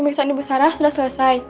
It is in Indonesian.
busan ibu sarah sudah selesai